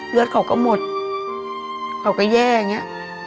เลือดเขาก็หมดเขาก็แย่อย่างนี้